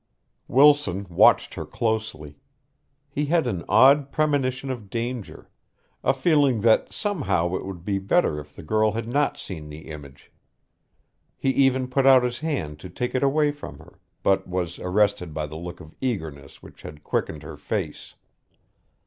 Wilson watched her closely. He had an odd premonition of danger a feeling that somehow it would be better if the girl had not seen the image. He even put out his hand to take it away from her, but was arrested by the look of eagerness which had quickened her face.